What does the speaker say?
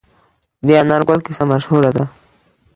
د انار ګل کیسه مشهوره ده.